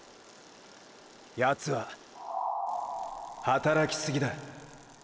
ヤツは“働きすぎ”だ。